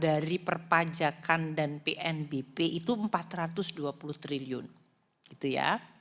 dari perpajakan dan pnbp itu empat ratus dua puluh triliun gitu ya